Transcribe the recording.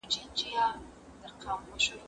کېدای سي لرګي دروند وي!.